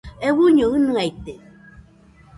Euiño ɨnɨaite.